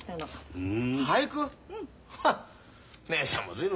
うん。